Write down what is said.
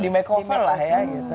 di makeover lah ya